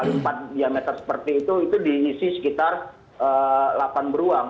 empat x empat diameter seperti itu diisi sekitar delapan beruang